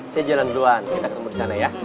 saya jalan duluan kita ketemu disana ya